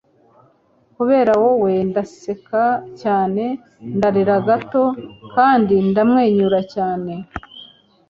kubera wowe, ndaseka cyane, ndarira gato, kandi ndamwenyura cyane